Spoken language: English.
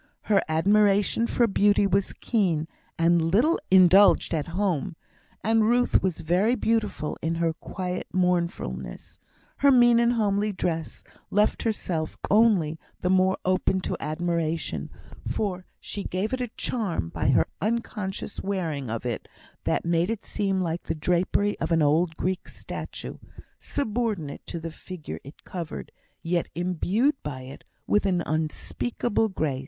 Her admiration for beauty was keen, and little indulged at home; and Ruth was very beautiful in her quiet mournfulness; her mean and homely dress left herself only the more open to admiration, for she gave it a charm by her unconscious wearing of it that made it seem like the drapery of an old Greek statue subordinate to the figure it covered, yet imbued by it with an unspeakable grace.